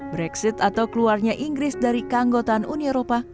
brexit atau keluarnya inggris dari keanggotaan uni eropa